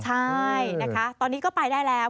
ใช่นะคะตอนนี้ก็ไปได้แล้ว